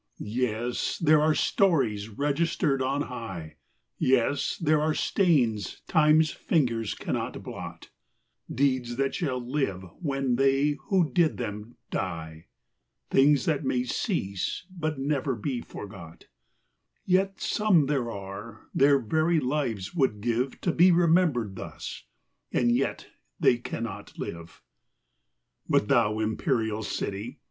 III. Yes, there are stories registered on high, Yes, there are stains time's fingers cannot blot, Deeds that shall live when they who did them, die ; Things that may cease, but never be forgot : Yet some there are, their very lives would give To be remembered thus, and yet they cannot live. IV. But thou, imperial City